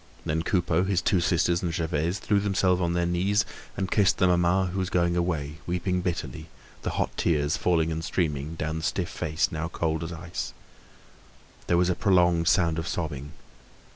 Then Coupeau, his two sisters and Gervaise threw themselves on their knees and kissed the mamma who was going away, weeping bitterly, the hot tears falling on and streaming down the stiff face now cold as ice. There was a prolonged sound of sobbing.